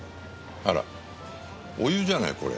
あらお湯じゃない？